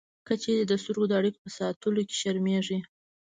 که چېرې د سترګو د اړیکې په ساتلو کې شرمېږئ